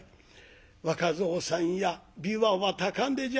若蔵さんや琵琶は高嶺じゃ。